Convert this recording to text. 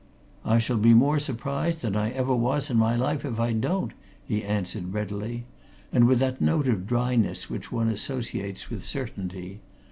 "I shall be more surprised than I ever was in my life if I don't," he answered readily, and with that note of dryness which one associates with certainty.